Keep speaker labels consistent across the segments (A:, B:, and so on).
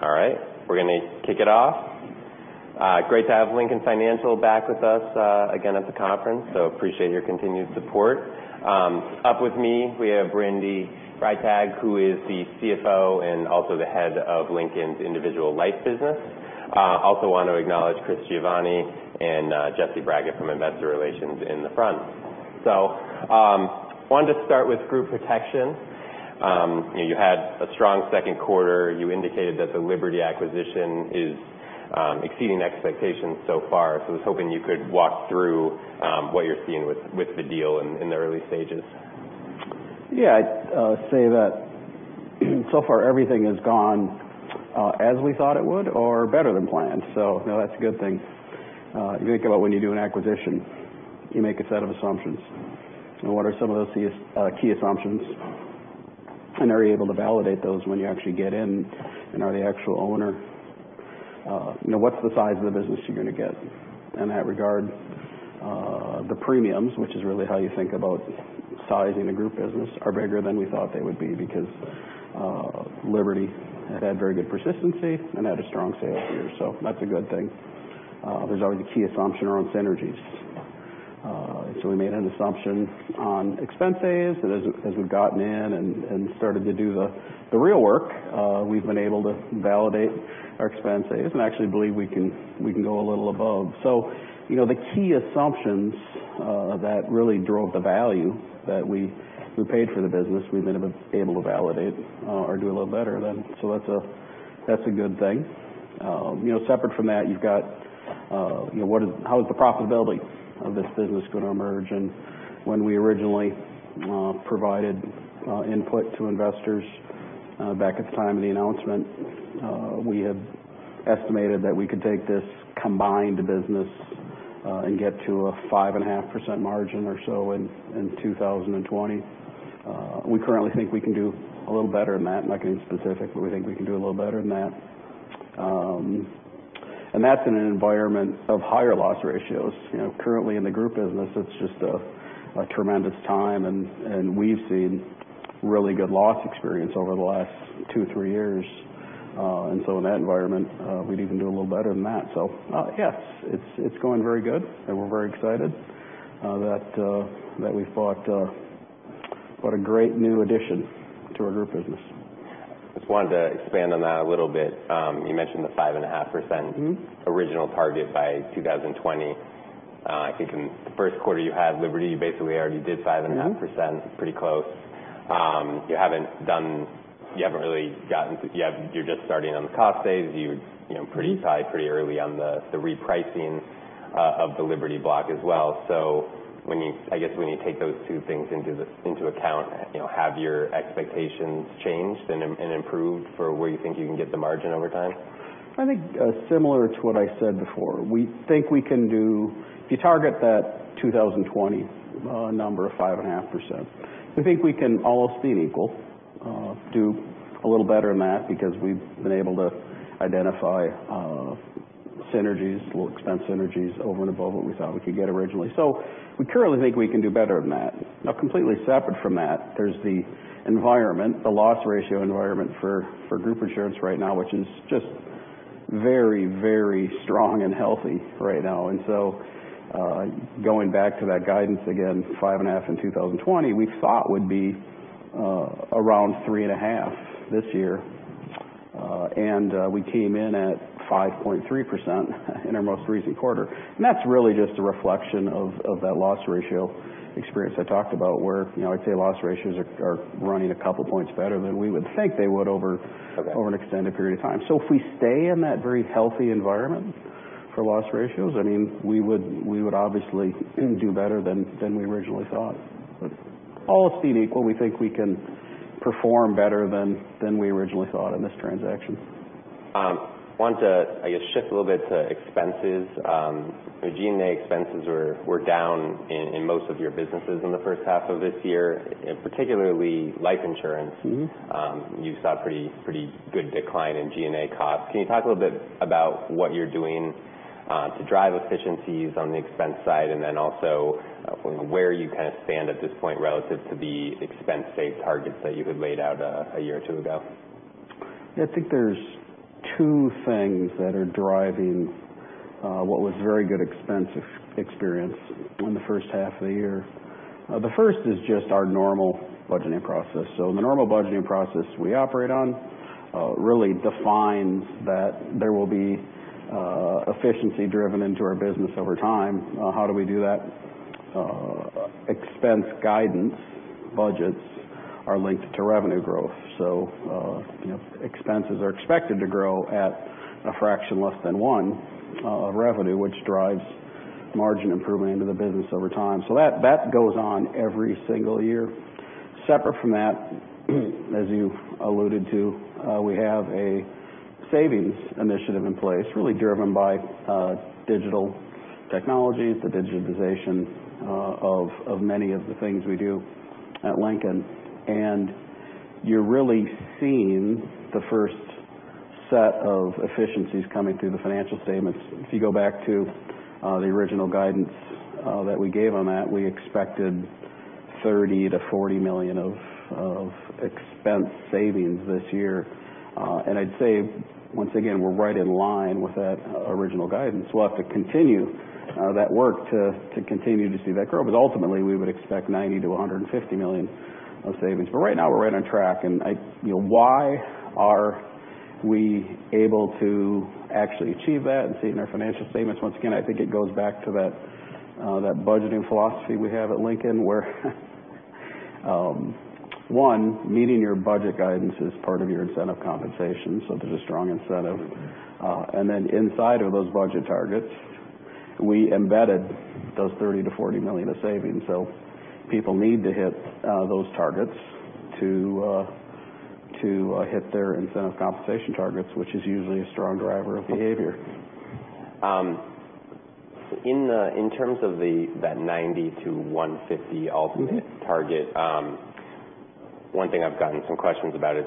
A: All right. We're going to kick it off. Great to have Lincoln Financial back with us again at the conference. Appreciate your continued support. Up with me, we have Randal Freitag, who is the CFO and also the head of Lincoln's individual life business. Also want to acknowledge Chris Giovanni and Jesse Brackett from Investor Relations in the front. Wanted to start with group protection. You had a strong second quarter. You indicated that the Liberty acquisition is exceeding expectations so far. I was hoping you could walk through what you're seeing with the deal in the early stages.
B: Yeah. I'd say that so far everything has gone as we thought it would or better than planned, that's a good thing. You think about when you do an acquisition, you make a set of assumptions. What are some of those key assumptions, and are you able to validate those when you actually get in and are the actual owner? What's the size of the business you're going to get? In that regard, the premiums, which is really how you think about sizing a group business, are bigger than we thought they would be because Liberty had had very good persistency and had a strong sales year. That's a good thing. There's always a key assumption around synergies. We made an assumption on expense saves as we've gotten in and started to do the real work. We've been able to validate our expense saves and actually believe we can go a little above. The key assumptions that really drove the value that we paid for the business, we've been able to validate or do a little better than, that's a good thing. Separate from that, you've got how is the profitability of this business going to emerge? When we originally provided input to investors back at the time of the announcement, we had estimated that we could take this combined business and get to a 5.5% margin or so in 2020. We currently think we can do a little better than that. I'm not getting specific, but we think we can do a little better than that. That's in an environment of higher loss ratios. Currently in the group business, it's just a tremendous time, and we've seen really good loss experience over the last two, three years. In that environment, we'd even do a little better than that. Yes, it's going very good and we're very excited that we've bought a great new addition to our group business.
A: Just wanted to expand on that a little bit. You mentioned the 5.5% original target by 2020. I think in the first quarter you had Liberty, you basically already did 5.5%, pretty close. You're just starting on the cost saves. You tied pretty early on the repricing of the Liberty block as well. I guess when you take those two things into account, have your expectations changed and improved for where you think you can get the margin over time?
B: I think similar to what I said before, we think we can do, if you target that 2020 number of 5.5%, we think we can, all else being equal, do a little better than that because we've been able to identify synergies, little expense synergies over and above what we thought we could get originally. We currently think we can do better than that. Now, completely separate from that, there's the environment, the loss ratio environment for group insurance right now, which is just very, very strong and healthy right now. Going back to that guidance again, 5.5% in 2020, we thought would be around 3.5% this year. We came in at 5.3% in our most recent quarter. That's really just a reflection of that loss ratio experience I talked about where I'd say loss ratios are running a couple points better than we would think they would over an extended period of time. If we stay in that very healthy environment for loss ratios, we would obviously do better than we originally thought. All else being equal, we think we can perform better than we originally thought on this transaction.
A: I want to, I guess, shift a little bit to expenses. G&A expenses were down in most of your businesses in the first half of this year, and particularly life insurance. You saw a pretty good decline in G&A costs. Can you talk a little bit about what you're doing to drive efficiencies on the expense side, and then also where you stand at this point relative to the expense save targets that you had laid out a year or two ago?
B: Yeah. I think there's two things that are driving what was very good expense experience in the first half of the year. The first is just our normal budgeting process. The normal budgeting process we operate on really defines that there will be efficiency driven into our business over time. How do we do that? Expense guidance budgets are linked to revenue growth. Expenses are expected to grow at a fraction less than one of revenue, which drives margin improvement into the business over time. That goes on every single year. Separate from that, as you alluded to, we have a savings initiative in place, really driven by digital technologies, the digitization of many of the things we do at Lincoln. You're really seeing the first set of efficiencies coming through the financial statements. If you go back to the original guidance that we gave on that, we expected $30 million-$40 million of expense savings this year. I'd say, once again, we're right in line with that original guidance. We'll have to continue that work to continue to see that grow. Ultimately, we would expect $90 million-$150 million of savings. Right now, we're right on track. Why are we able to actually achieve that and see it in our financial statements? Once again, I think it goes back to that budgeting philosophy we have at Lincoln where one, meeting your budget guidance is part of your incentive compensation, so there's a strong incentive. Inside of those budget targets, we embedded those $30 million-$40 million of savings. People need to hit those targets to hit their incentive compensation targets, which is usually a strong driver of behavior.
A: In terms of that $90 million-$150 million ultimate target, one thing I've gotten some questions about is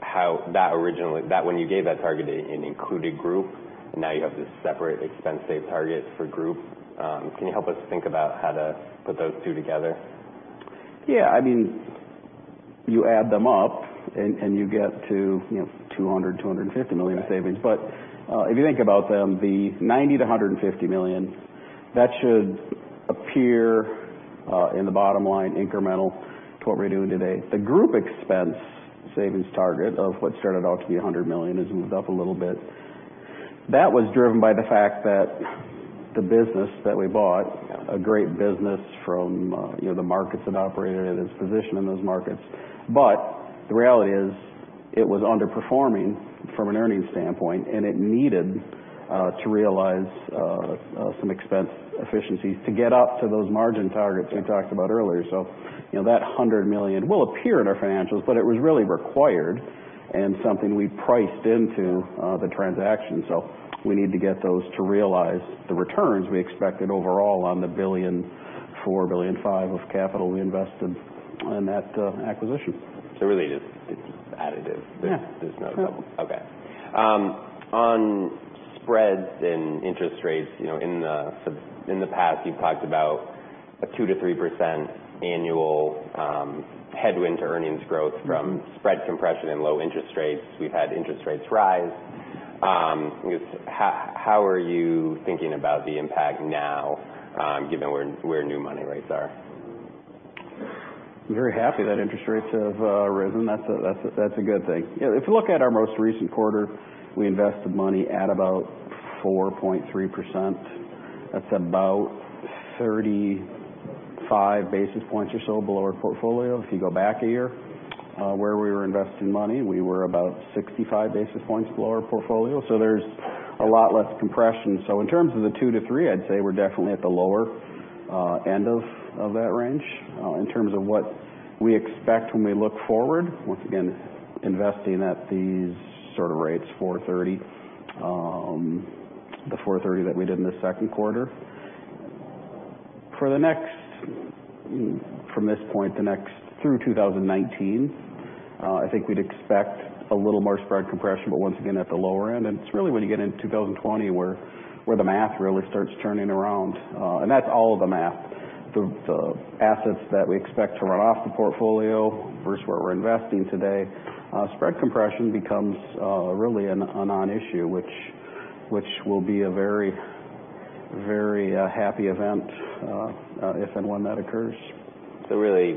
A: how that When you gave that target, it included group, and now you have this separate expense savings target for group. Can you help us think about how to put those two together?
B: Yeah. You add them up and you get to $200 million-$250 million of savings. If you think about them, the $90 million-$150 million, that should appear in the bottom line incremental to what we're doing today. The group expense savings target of what started out to be $100 million has moved up a little bit. That was driven by the fact that the business that we bought, a great business from the markets it operated in, its position in those markets. The reality is it was underperforming from an earnings standpoint, and it needed to realize some expense efficiencies to get up to those margin targets we talked about earlier. That $100 million will appear in our financials, but it was really required and something we priced into the transaction. We need to get those to realize the returns we expected overall on the $1.4 billion-$1.5 billion of capital we invested in that acquisition.
A: Really just it's additive.
B: Yeah.
A: There's no double. Okay. On spreads and interest rates, in the past, you've talked about a 2%-3% annual headwind to earnings growth from spread compression and low interest rates. We've had interest rates rise. How are you thinking about the impact now, given where new money rates are?
B: I'm very happy that interest rates have risen. That's a good thing. If you look at our most recent quarter, we invested money at about 4.3%. That's about 35 basis points or so below our portfolio. If you go back a year where we were investing money, we were about 65 basis points below our portfolio. There's a lot less compression. In terms of the 2-3, I'd say we're definitely at the lower end of that range. In terms of what we expect when we look forward, once again, investing at these sort of rates, 4.3%. The 4.3% that we did in the second quarter. From this point through 2019, I think we'd expect a little more spread compression, but once again at the lower end. It's really when you get into 2020 where the math really starts turning around. That's all the math. The assets that we expect to run off the portfolio versus where we're investing today. Spread compression becomes really a non-issue, which will be a very happy event if and when that occurs.
A: Really,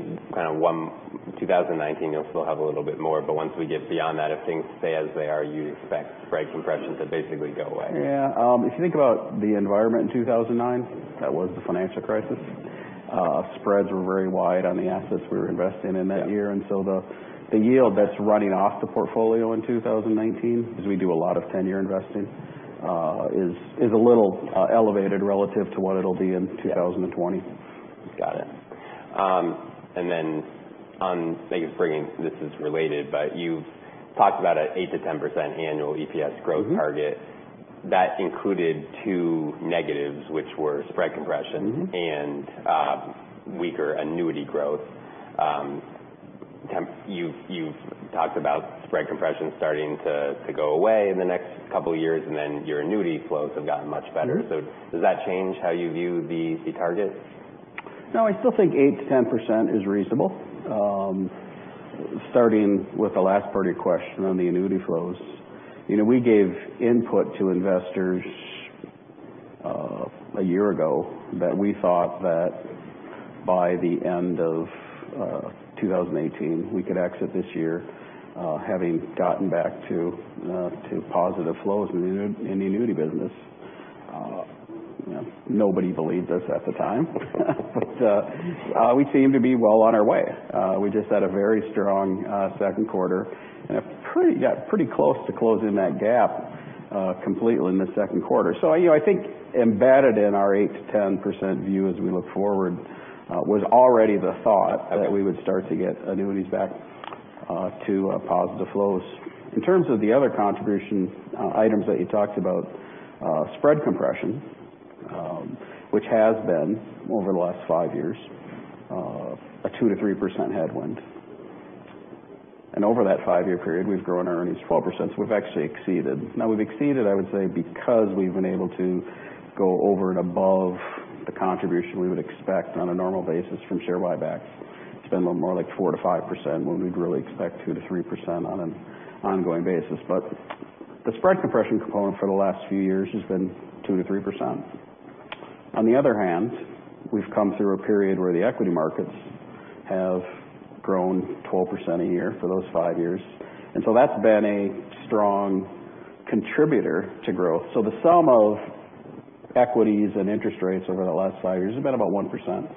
A: 2019 you'll still have a little bit more, but once we get beyond that, if things stay as they are, you expect spread compression to basically go away.
B: Yeah. If you think about the environment in 2009, that was the financial crisis. Spreads were very wide on the assets we were investing in that year. The yield that's running off the portfolio in 2019, because we do a lot of 10-year investing is a little elevated relative to what it'll be in 2020.
A: Got it. On, I guess, this is related, but you've talked about an 8%-10% annual EPS growth target. That included two negatives, which were spread compression. Weaker annuity growth. You've talked about spread compression starting to go away in the next couple of years, your annuity flows have gotten much better. Does that change how you view the target?
B: No, I still think 8%-10% is reasonable. Starting with the last part of your question on the annuity flows. We gave input to investors a year ago that we thought that by the end of 2018, we could exit this year having gotten back to positive flows in the annuity business. Nobody believed us at the time, but we seem to be well on our way. We just had a very strong second quarter and got pretty close to closing that gap completely in the second quarter. I think embedded in our 8%-10% view as we look forward was already the thought that we would start to get annuities back to positive flows. In terms of the other contribution items that you talked about, spread compression which has been, over the last five years, a 2%-3% headwind. Over that five-year period, we've grown our earnings 12%, so we've actually exceeded. We've exceeded, I would say, because we've been able to go over and above the contribution we would expect on a normal basis from share buybacks. It's been more like 4%-5% when we'd really expect 2%-3% on an ongoing basis. The spread compression component for the last few years has been 2%-3%. On the other hand, we've come through a period where the equity markets have grown 12% a year for those five years, and so that's been a strong contributor to growth. The sum of equities and interest rates over the last five years has been about 1%.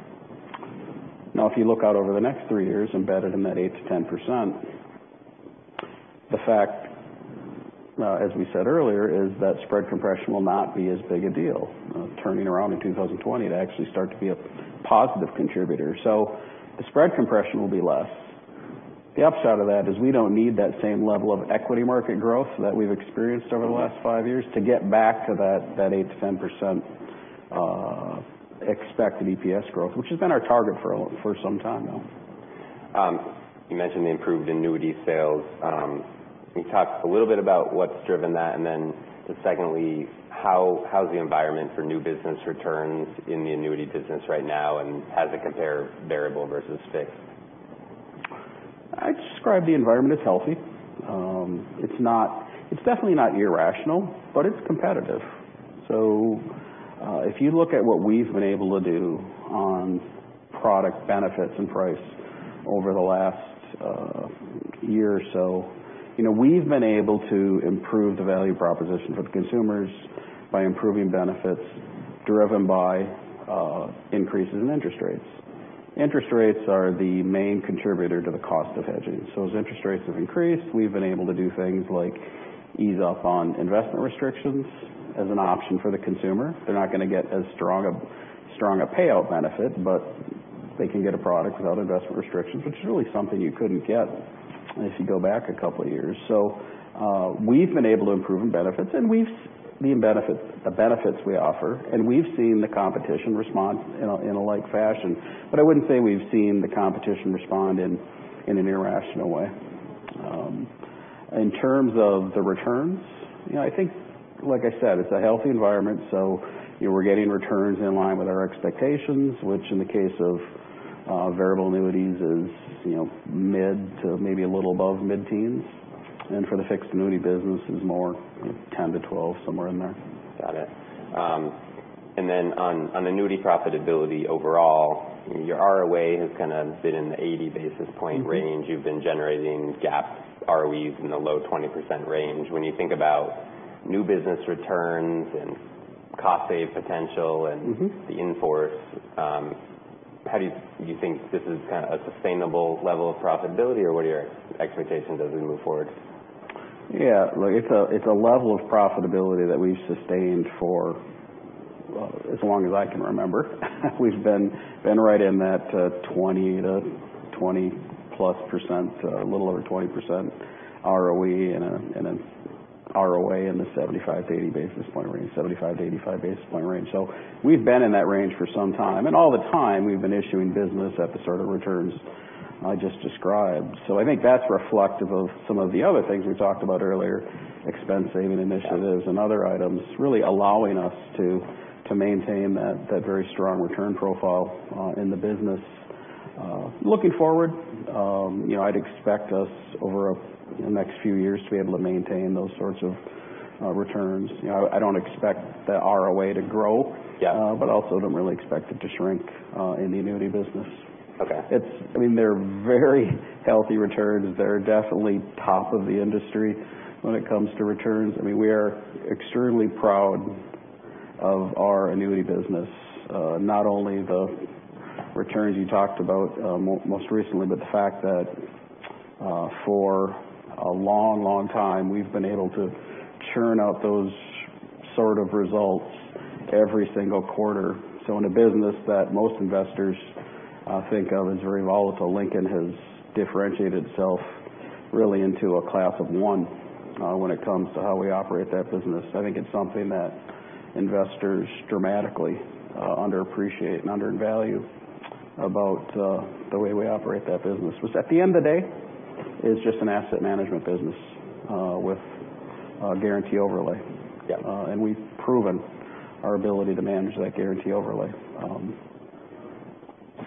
B: If you look out over the next three years embedded in that 8%-10%, the fact, as we said earlier, is that spread compression will not be as big a deal. Turning around in 2020 to actually start to be a positive contributor. The spread compression will be less. The upside of that is we don't need that same level of equity market growth that we've experienced over the last five years to get back to that 8%-10% expected EPS growth, which has been our target for some time now.
A: You mentioned the improved annuity sales. Can you talk a little bit about what's driven that, secondly, how's the environment for new business returns in the annuity business right now and how does it compare variable versus fixed?
B: I'd describe the environment as healthy. It's definitely not irrational, but it's competitive. If you look at what we've been able to do on product benefits and price over the last year or so, we've been able to improve the value proposition for the consumers by improving benefits driven by increases in interest rates. Interest rates are the main contributor to the cost of hedging. As interest rates have increased, we've been able to do things like ease up on investment restrictions as an option for the consumer. They're not going to get as strong a payout benefit, but they can get a product without investment restrictions, which is really something you couldn't get if you go back a couple of years. We've been able to improve benefits, the benefits we offer, and we've seen the competition respond in a like fashion. I wouldn't say we've seen the competition respond in an irrational way. In terms of the returns, I think, like I said, it's a healthy environment, we're getting returns in line with our expectations, which in the case of variable annuities is mid to maybe a little above mid-teens. For the fixed annuity business, it is more 10%-12%, somewhere in there.
A: Got it. On annuity profitability overall, your ROA has kind of been in the 80 basis points range. You've been generating GAAP ROEs in the low 20% range. When you think about new business returns and cost save potential and the in-force, do you think this is kind of a sustainable level of profitability, or what are your expectations as we move forward?
B: Look, it's a level of profitability that we've sustained for as long as I can remember. We've been right in that 20%-20+%, a little over 20% ROE and an ROA in the 75-80 basis point range, 75-85 basis point range. We've been in that range for some time, and all the time we've been issuing business at the sort of returns I just described. I think that's reflective of some of the other things we talked about earlier, expense saving initiatives and other items really allowing us to maintain that very strong return profile in the business. Looking forward, I'd expect us over the next few years to be able to maintain those sorts of returns. I don't expect the ROA to grow.
A: Yeah.
B: I also don't really expect it to shrink in the annuity business.
A: Okay.
B: They're very healthy returns. They're definitely top of the industry when it comes to returns. We are extremely proud of our annuity business. Not only the returns you talked about most recently, but the fact that for a long, long time, we've been able to churn out those sort of results every single quarter. In a business that most investors think of as very volatile, Lincoln has differentiated itself really into a class of one when it comes to how we operate that business. I think it's something that investors dramatically underappreciate and undervalue about the way we operate that business. At the end of the day, it's just an asset management business with a guarantee overlay.
A: Yeah.
B: We've proven our ability to manage that guarantee overlay.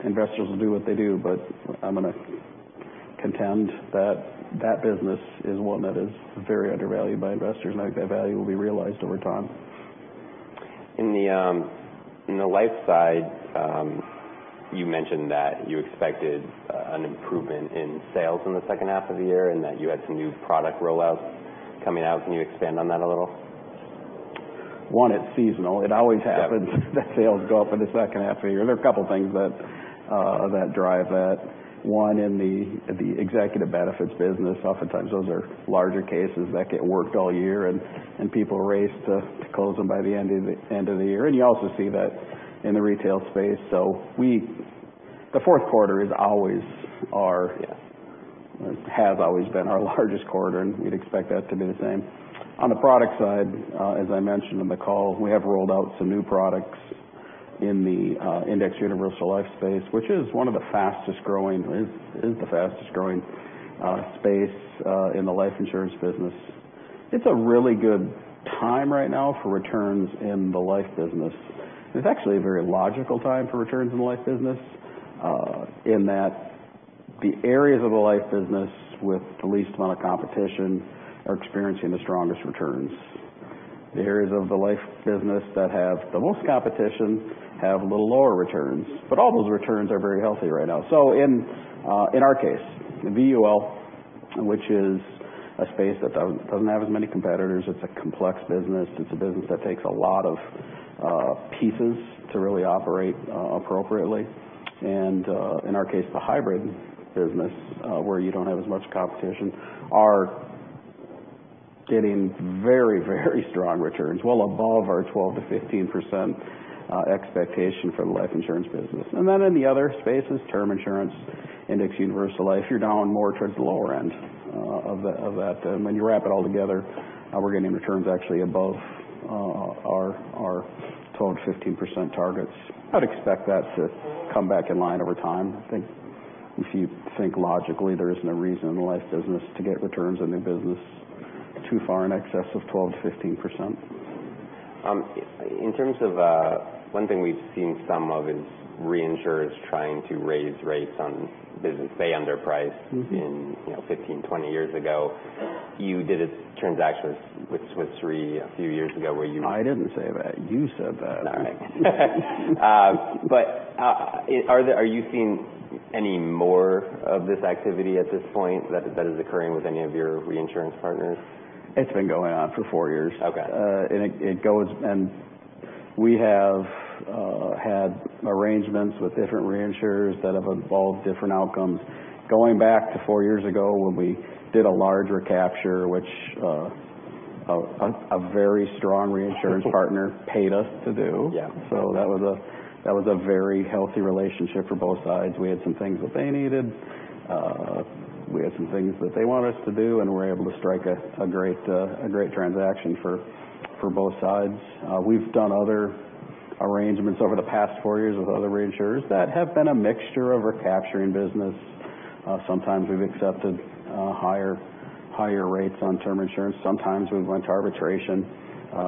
B: Investors will do what they do, but I'm going to contend that that business is one that is very undervalued by investors, and I think that value will be realized over time.
A: In the life side, you mentioned that you expected an improvement in sales in the second half of the year and that you had some new product rollouts coming out. Can you expand on that a little?
B: One, it's seasonal. It always happens. The sales go up in the second half of the year. There are a couple things that drive that. One, in the executive benefits business, oftentimes those are larger cases that get worked all year, and people race to close them by the end of the year. You also see that in the retail space. The fourth quarter is always our-
A: Yeah
B: has always been our largest quarter, and we'd expect that to be the same. On the product side, as I mentioned on the call, we have rolled out some new products. In the indexed universal life space, which is one of the fastest-growing, is the fastest-growing space in the life insurance business. It's a really good time right now for returns in the life business. It's actually a very logical time for returns in the life business in that the areas of the life business with the least amount of competition are experiencing the strongest returns. The areas of the life business that have the most competition have a little lower returns, but all those returns are very healthy right now. In our case, in VUL, which is a space that doesn't have as many competitors, it's a complex business. It's a business that takes a lot of pieces to really operate appropriately. In our case, the hybrid business where you don't have as much competition, are getting very, very strong returns well above our 12%-15% expectation for the life insurance business. Then in the other spaces, term insurance, indexed universal life, you're down more towards the lower end of that. When you wrap it all together, we're getting returns actually above our 12%-15% targets. I'd expect that to come back in line over time. I think if you think logically, there is no reason in the life business to get returns in new business too far in excess of 12%-15%.
A: In terms of one thing we've seen some of is reinsurers trying to raise rates on business they underpriced in 15, 20 years ago. You did a transaction with Swiss Re a few years ago where you.
B: I didn't say that. You said that.
A: All right. Are you seeing any more of this activity at this point that is occurring with any of your reinsurance partners?
B: It's been going on for four years.
A: Okay.
B: We have had arrangements with different reinsurers that have involved different outcomes going back to 4 years ago when we did a large recapture, which a very strong reinsurance partner paid us to do.
A: Yeah.
B: That was a very healthy relationship for both sides. We had some things that they needed. We had some things that they want us to do, and we're able to strike a great transaction for both sides. We've done other arrangements over the past 4 years with other reinsurers that have been a mixture of recapturing business. Sometimes we've accepted higher rates on term insurance. Sometimes we've went to arbitration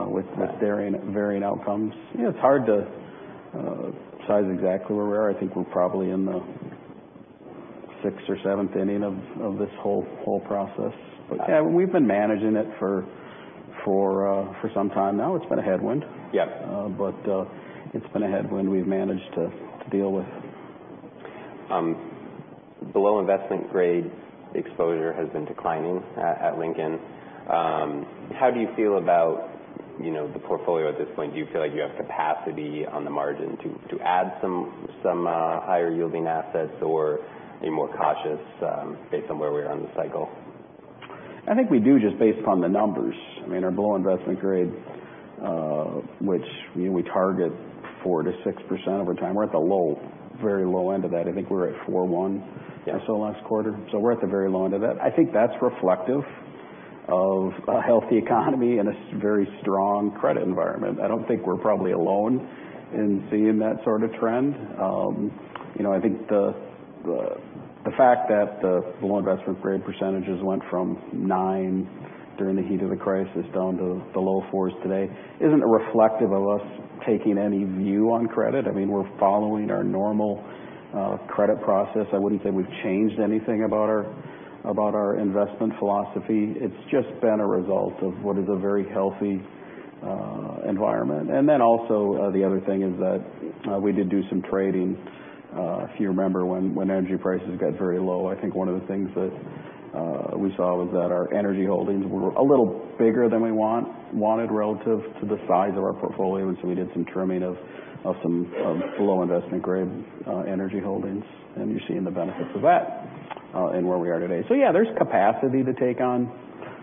B: with varying outcomes. It's hard to size exactly where we are. I think we're probably in the sixth or seventh inning of this whole process. We've been managing it for some time now. It's been a headwind.
A: Yeah.
B: It's been a headwind we've managed to deal with.
A: Below investment grade exposure has been declining at Lincoln. How do you feel about the portfolio at this point? Do you feel like you have capacity on the margin to add some higher yielding assets or a more cautious based on where we are in the cycle?
B: I think we do just based upon the numbers. Our below investment grade, which we target 4%-6% of our time, we're at the very low end of that. I think we're at 4.1%.
A: Yeah
B: or so last quarter. We're at the very low end of that. I think that's reflective of a healthy economy and a very strong credit environment. I don't think we're probably alone in seeing that sort of trend. I think the fact that the below investment grade percentages went from nine during the heat of the crisis down to the low fours today isn't reflective of us taking any view on credit. We're following our normal credit process. I wouldn't say we've changed anything about our investment philosophy. It's just been a result of what is a very healthy environment. Also the other thing is that we did do some trading. If you remember when energy prices got very low, I think one of the things that we saw was that our energy holdings were a little bigger than we wanted relative to the size of our portfolio. We did some trimming of some below investment grade energy holdings. You're seeing the benefits of that in where we are today. Yeah, there's capacity to take on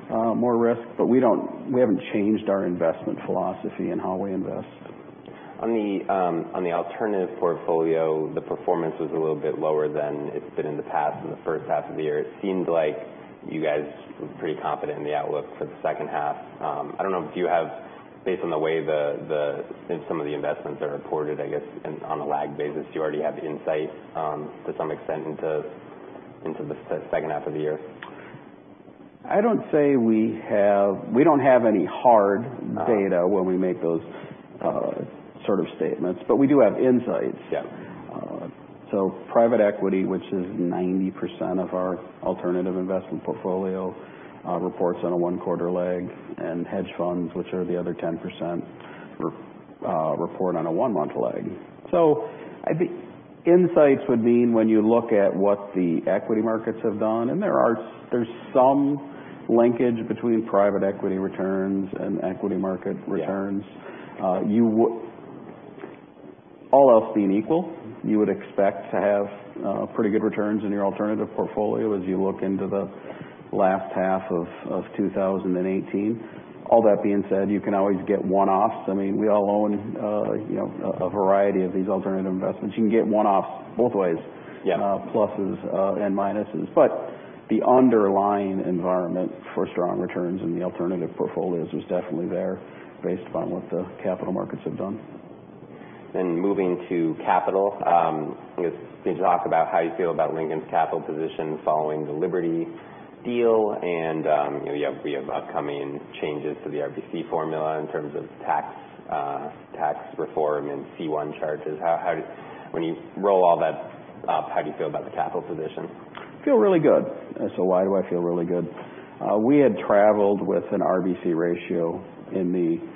B: more risk, but we haven't changed our investment philosophy in how we invest.
A: On the alternative portfolio, the performance was a little bit lower than it's been in the past in the first half of the year. It seems like you guys were pretty confident in the outlook for the second half. I don't know if you have, based on the way some of the investments are reported I guess on a lag basis, do you already have insight to some extent into the second half of the year?
B: I don't say we have. We don't have any hard data when we make those sort of statements, but we do have insights.
A: Yeah.
B: Private equity, which is 90% of our alternative investment portfolio reports on a one quarter lag, hedge funds, which are the other 10% report on a one month lag. Insights would mean when you look at what the equity markets have done, there's some linkage between private equity returns and equity market returns.
A: Yeah.
B: All else being equal, you would expect to have pretty good returns in your alternative portfolio as you look into the last half of 2018. All that being said, you can always get one-offs. We all own a variety of these alternative investments. You can get one-offs both ways.
A: Yeah.
B: Pluses and minuses. The underlying environment for strong returns in the alternative portfolios is definitely there based upon what the capital markets have done.
A: Moving to capital. Can you talk about how you feel about Lincoln's capital position following the Liberty deal? You have upcoming changes to the RBC formula in terms of tax reform and C1 charges. When you roll all that up, how do you feel about the capital position?
B: Feel really good. Why do I feel really good? We had traveled with an RBC ratio in the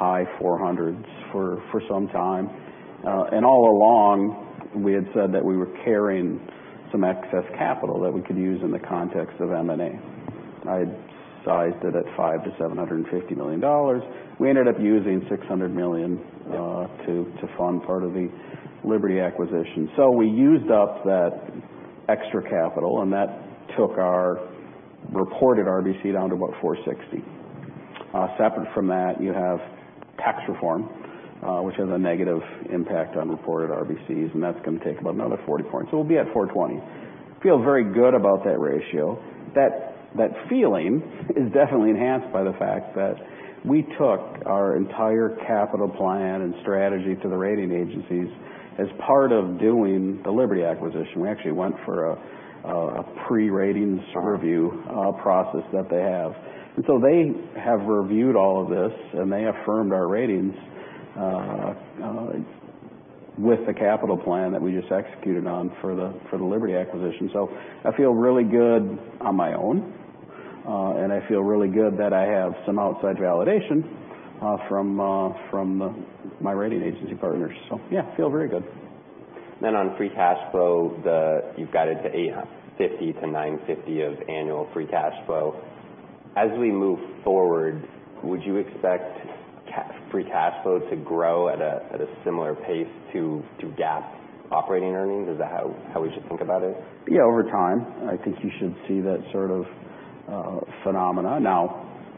B: high 400s for some time. All along, we had said that we were carrying some excess capital that we could use in the context of M&A. I'd sized it at $500 million-$750 million. We ended up using $600 million to fund part of the Liberty acquisition. We used up that extra capital, and that took our reported RBC down to about 460. Separate from that, you have tax reform, which has a negative impact on reported RBCs, and that's going to take about another 40 points. We'll be at 420. Feel very good about that ratio. That feeling is definitely enhanced by the fact that we took our entire capital plan and strategy to the rating agencies as part of doing the Liberty acquisition. We actually went for a pre-ratings review process that they have. They have reviewed all of this, and they affirmed our ratings with the capital plan that we just executed on for the Liberty acquisition. I feel really good on my own, and I feel really good that I have some outside validation from my rating agency partners. Yeah, feel very good.
A: On free cash flow, you've got it to $850 million-$950 million of annual free cash flow. As we move forward, would you expect free cash flow to grow at a similar pace to GAAP operating earnings? Is that how we should think about it?
B: Yeah, over time, I think you should see that sort of phenomena.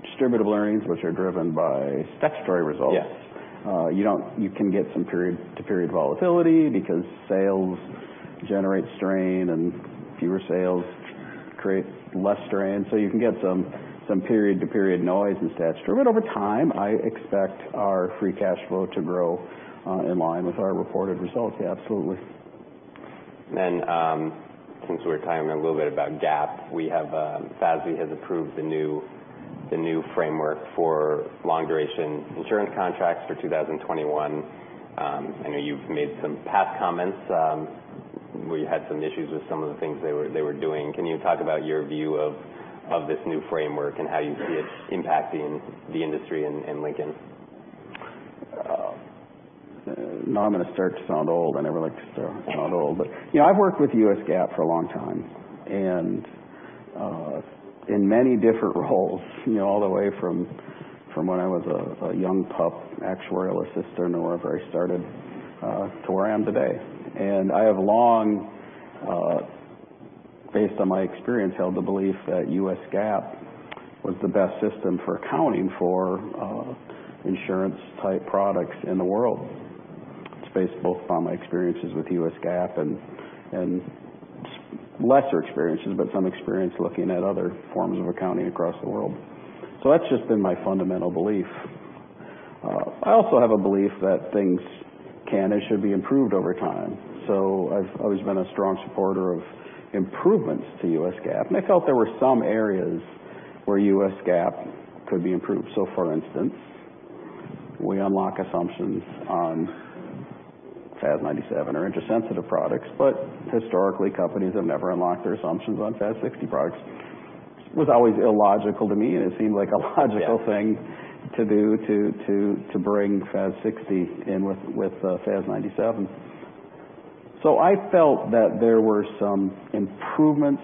B: Distributable earnings, which are driven by statutory results.
A: Yes.
B: You can get some period-to-period volatility because sales generate strain, and fewer sales create less strain. You can get some period-to-period noise in statutory. Over time, I expect our free cash flow to grow in line with our reported results. Yeah, absolutely.
A: Since we were talking a little bit about GAAP, FASB has approved the new framework for long duration insurance contracts for 2021. I know you've made some past comments where you had some issues with some of the things they were doing. Can you talk about your view of this new framework and how you see it impacting the industry and Lincoln?
B: I'm going to start to sound old. I never like to sound old. I've worked with U.S. GAAP for a long time, and in many different roles, all the way from when I was a young pup actuarial assistant wherever I started, to where I am today. I have long, based on my experience, held the belief that U.S. GAAP was the best system for accounting for insurance type products in the world. It's based both on my experiences with U.S. GAAP and lesser experiences, but some experience looking at other forms of accounting across the world. That's just been my fundamental belief. I also have a belief that things can and should be improved over time. I've always been a strong supporter of improvements to U.S. GAAP, and I felt there were some areas where U.S. GAAP could be improved. For instance, we unlock assumptions on FAS 97 or interest-sensitive products, but historically, companies have never unlocked their assumptions on FAS 60 products. It was always illogical to me, and it seemed like a logical thing to do to bring FAS 60 in with FAS 97. I felt that there were some improvements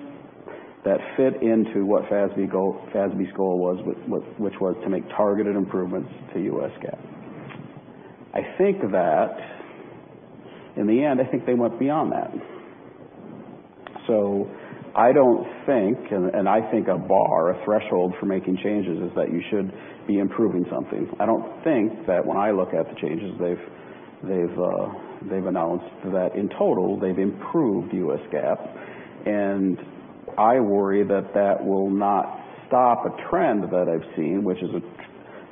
B: that fit into what FASB's goal was, which was to make targeted improvements to U.S. GAAP. In the end, I think they went beyond that. I think a bar, a threshold for making changes is that you should be improving something. I don't think that when I look at the changes they've announced that in total, they've improved U.S. GAAP, I worry that that will not stop a trend that I've seen, which is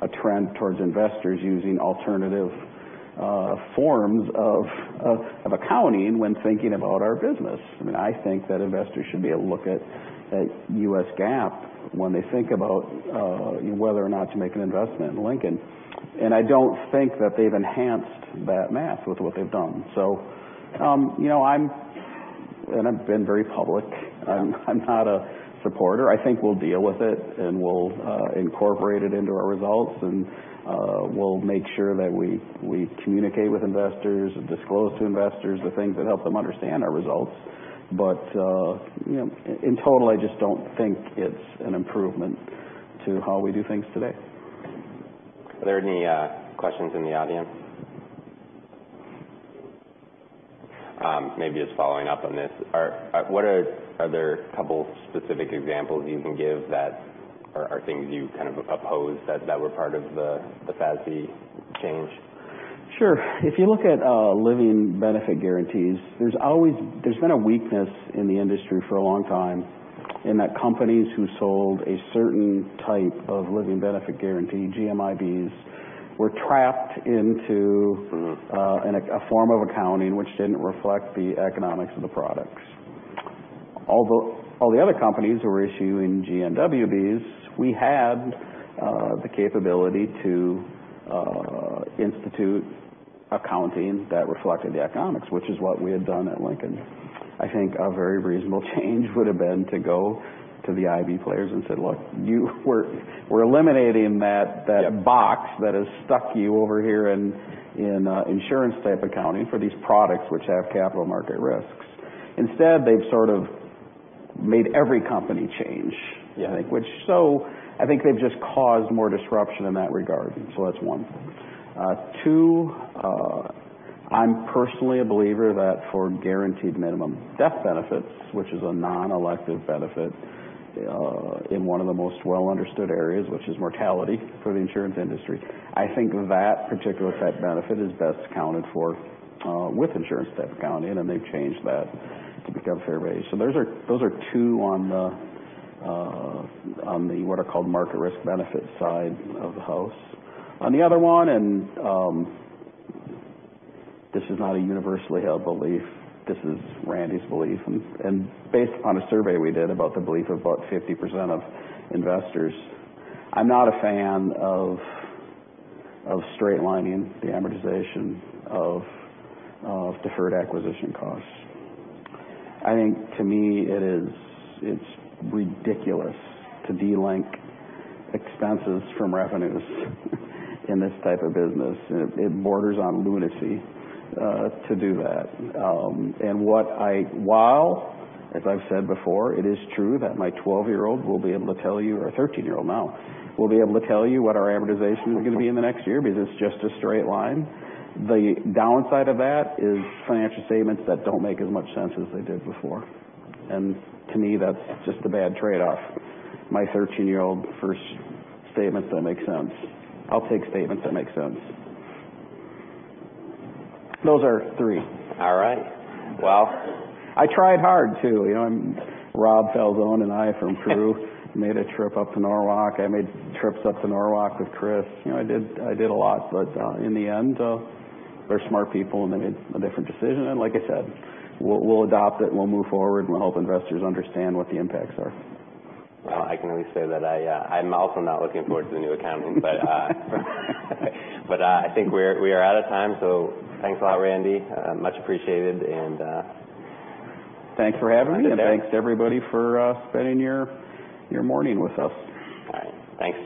B: a trend towards investors using alternative forms of accounting when thinking about our business. I think that investors should be able to look at U.S. GAAP when they think about whether or not to make an investment in Lincoln. I don't think that they've enhanced that math with what they've done. I've been very public. I'm not a supporter. I think we'll deal with it, and we'll incorporate it into our results, and we'll make sure that we communicate with investors and disclose to investors the things that help them understand our results. In total, I just don't think it's an improvement to how we do things today.
A: Are there any questions in the audience? Maybe just following up on this, what are other couple specific examples you can give that are things you opposed that were part of the FASB change?
B: Sure. If you look at living benefit guarantees, there's been a weakness in the industry for a long time in that companies who sold a certain type of living benefit guarantee, GMIBs, were trapped into a form of accounting which didn't reflect the economics of the products. All the other companies who were issuing GMWBs, we had the capability to institute accounting that reflected the economics, which is what we had done at Lincoln. I think a very reasonable change would've been to go to the IB players and said, "Look, we're eliminating that box that has stuck you over here in insurance-type accounting for these products which have capital market risks." Instead, they've sort of made every company change.
A: Yeah.
B: I think they've just caused more disruption in that regard. That's one. Two, I'm personally a believer that for guaranteed minimum death benefits, which is a non-elective benefit in one of the most well-understood areas, which is mortality for the insurance industry, I think that particular type of benefit is best accounted for with insurance type accounting. They've changed that to become fair value. Those are two on the what are called market risk benefit side of the house. On the other one, and this is not a universally held belief, this is Randy's belief, and based upon a survey we did about the belief of about 50% of investors. I'm not a fan of straight lining the amortization of deferred acquisition costs. I think to me, it's ridiculous to de-link expenses from revenues in this type of business. It borders on lunacy to do that. While, as I've said before, it is true that my 12-year-old will be able to tell you, or 13-year-old now, will be able to tell you what our amortization is going to be in the next year because it's just a straight line. The downside of that is financial statements that don't make as much sense as they did before. To me, that's just a bad trade-off. My 13-year-old versus statements that make sense. I'll take statements that make sense. Those are three.
A: All right. Well
B: I tried hard, too. Rob Falzon and I from PRU made a trip up to Norwalk. I made trips up to Norwalk with Chris. I did a lot. In the end, they're smart people, and they made a different decision. Like I said, we'll adopt it, and we'll move forward, and we'll help investors understand what the impacts are.
A: Well, I can only say that I'm also not looking forward to the new accounting. I think we are out of time, so thanks a lot, Randy. Much appreciated.
B: Thanks for having me.
A: Yeah.
B: Thanks to everybody for spending your morning with us.
A: All right. Thanks.